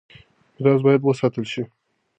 ميراث بايد وساتل شي.